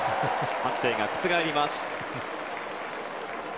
判定が覆ります。